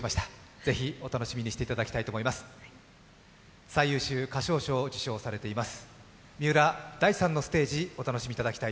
ぜひお楽しみにしていただきたいと思います。